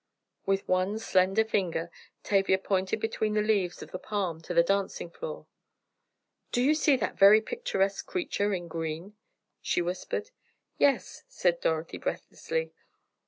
With one slender finger, Tavia pointed between the leaves of the palm to the dancing floor. "Do you see that very picturesque creature in green?" she whispered. "Yes," said Dorothy breathlessly.